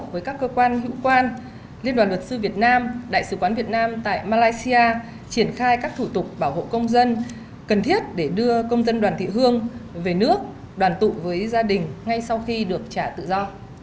với các cơ quan hữu quan liên đoàn luật sư việt nam đại sứ quán việt nam tại malaysia triển khai các thủ tục bảo hộ công dân cần thiết để đưa công dân đoàn thị hương về nước đoàn tụ với gia đình ngay sau khi được trả tự do